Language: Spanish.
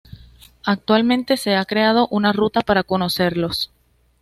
Actualmente se ha creado una ruta para conocerlos